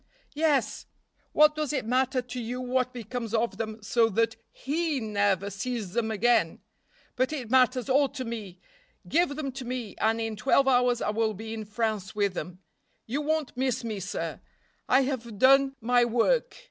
"Yes! What does it matter to you what becomes of them so that he never sees them again? but it matters all to me. Give them to me and in twelve hours I will be in France with them. You won't miss me, sir. I have done my work.